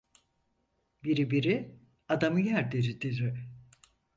Biribiri, adamı yer diri diri.